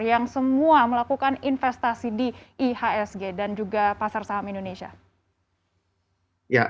yang semua melakukan investasi di ihsg dan juga pasar saham indonesia